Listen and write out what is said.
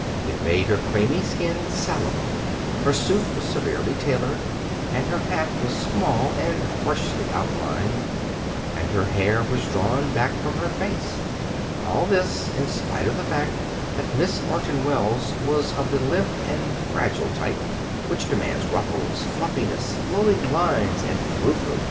It made her creamy skin sallow. Her suit was severely tailored, and her hat was small and harshly outlined, and her hair was drawn back from her face. All this, in spite of the fact that Miss Orton Wells was of the limp and fragile type, which demands ruffles, fluffiness, flowing lines and frou frou.